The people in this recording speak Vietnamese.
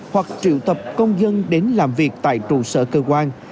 hoặc triệu tập công dân đến làm việc tại trụ sở cơ quan